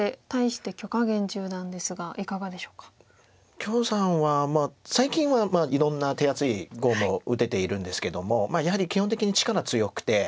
許さんはまあ最近はいろんな手厚い碁も打てているんですけどもやはり基本的に力強くて。